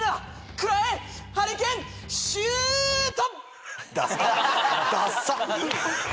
食らえハリケーンシュートッ！